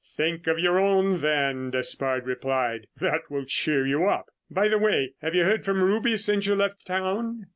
"Think of your own, then," Despard replied, "that will cheer you up. By the way, have you heard from Ruby since you left town?"